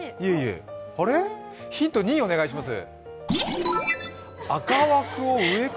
ヒント２お願いします。